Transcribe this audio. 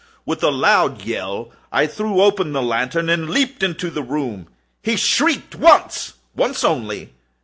With a loud yell, I threw open the lantern and leaped into the room. He shrieked once—once only.